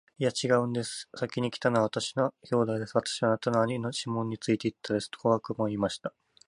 「いや、ちがうんです。先来たのは私の兄弟です。私はあなたの兄さんのシモンについていたんです。」と小悪魔は言いました。